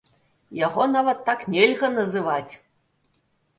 Яго нават так нельга называць.